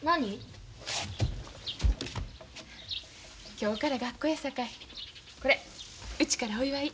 今日から学校やさかいこれうちからお祝い。